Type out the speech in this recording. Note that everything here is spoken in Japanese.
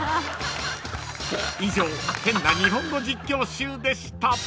［以上変な日本語実況集でした］